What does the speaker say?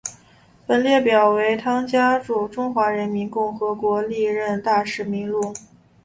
本列表为汤加驻中华人民共和国历任大使名录。